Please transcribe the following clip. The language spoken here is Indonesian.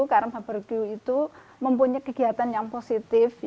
karena barbeku itu mempunyai kegiatan yang positif